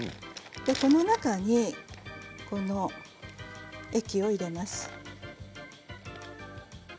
この中にこの液を入れます。